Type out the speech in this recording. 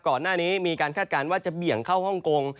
ก่อนหน้านี้มีการคาดการณ์ว่าจะเบี่ยงเข้าฮ่องกง